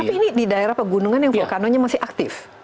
tapi ini di daerah pegunungan yang vulkanonya masih aktif